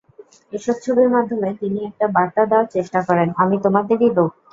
এসব ছবির মাধ্যমে তিনি একটা বার্তা দেওয়ার চেষ্টা করেন—আমি তোমাদেরই লোক।